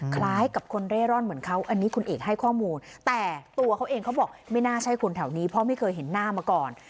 คล้ายกับคนเร่ร่อนเหมือนเขาอันนี้คุณเอกให้ข้อมูลแต่ตัวเขาเองเขาบอกไม่น่าใช่คนแถวนี้เพราะไม่เคยเห็นหน้ามาก่อน